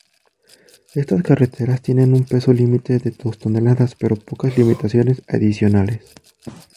Estas carreteras tienen un peso límite de dos toneladas, pero pocas limitaciones adicionales.